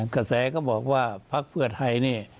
กระแสก็บอกว่าพักเพื่อไทยนี่